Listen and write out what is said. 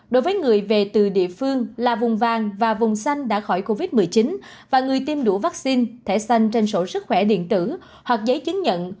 đối với người tiêm đủ vaccine thẻ xanh trên sổ sức khỏe điện tử hoặc giấy chứng nhận